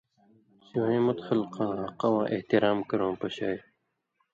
سِوَیں مُت خلقاں حقہ واں احترام کرؤں پشائ۔